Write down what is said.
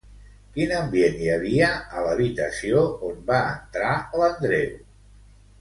Quin ambient hi havia a l'habitació on va entrar l'Andreu?